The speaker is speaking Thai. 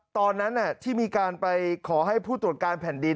ตอนนั้นที่มีการไปขอให้ผู้ตรวจการแผ่นดิน